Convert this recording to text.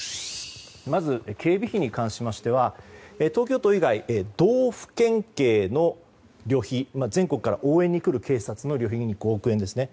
まず警備費に関しましては東京都以外道府県警の旅費全国から応援に来る警察の旅費に５億円ですね。